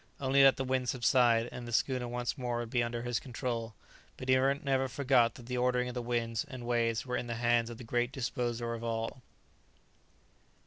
Only let the wind subside, and the schooner once more would be under his control; but he never forgot that the ordering of the winds and waves were in the hands of the Great Disposer of all.